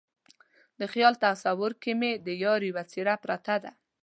د خیال تصویر کې مې د یار یوه څیره پرته ده